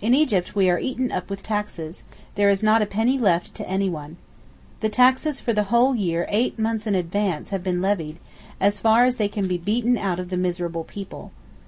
In Egypt we are eaten up with taxes; there is not a penny left to anyone. The taxes for the whole year eight months in advance have been levied, as far as they can be beaten out of the miserable people.